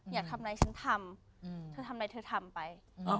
อยากทำใยฉันทำทำอะไรจะทำไป